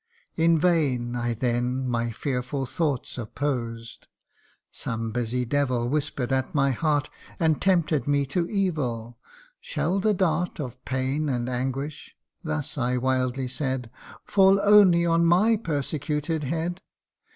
In vain I then my fearful thoughts opposed ; Some busy devil whisper'd at my heart And tempted me to evil. ' Shall the dart Of pain and anguish (thus I wildly said,) Fall only on my persecuted head